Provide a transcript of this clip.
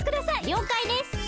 りょうかいです！